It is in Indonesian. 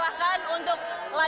terima kasih banyak